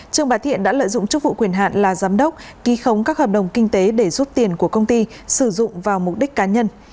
trương bá thiện đã lợi dụng chức vụ quyền hạn là giám đốc ký khống các hợp đồng kinh tế để rút tiền của công ty sử dụng vào mục đích cá nhân